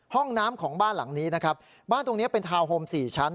ห้องน้ำของบ้านหลังนี้นะครับบ้านตรงเนี้ยเป็นทาวน์โฮมสี่ชั้น